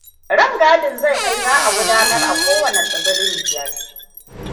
Rangadin zai kai za a gudanar a kowanne tsibirin biyar.